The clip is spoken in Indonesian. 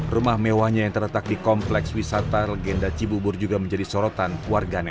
rumah mewahnya yang terletak di kompleks wisata legenda cibubur juga menjadi sorotan warganet